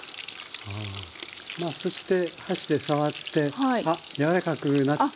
まあそして箸で触ってあっやわらかくなってるかな。